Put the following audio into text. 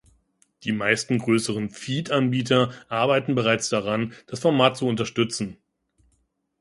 Die meisten größeren Feed-Anbieter arbeiten bereits daran, das Format zu unterstützen.